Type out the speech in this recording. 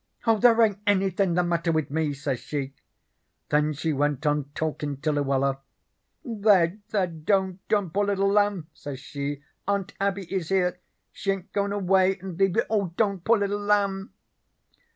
"'Oh, there ain't anythin' the matter with me,' says she. Then she went on talkin' to Luella. 'There, there, don't, don't, poor little lamb,' says she. 'Aunt Abby is here. She ain't goin' away and leave you. Don't, poor little lamb.'